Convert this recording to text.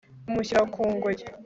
bamushyira ku ngoyi